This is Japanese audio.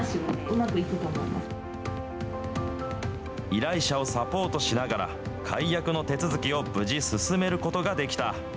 依頼者をサポートしながら、解約の手続きを無事進めることができた。